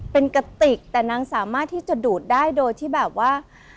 เป็นกระติกแต่นางสามารถที่จะดูดได้โดยที่แบบว่า